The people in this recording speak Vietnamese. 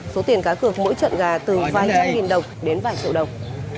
số tiền cá cược mỗi trận gà từ vài trăm nghìn đồng đến vài triệu đồng